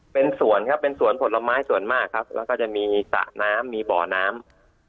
เป็นสวนครับเป็นสวนผลไม้ส่วนมากครับแล้วก็จะมีสระน้ำมีบ่อน้ำ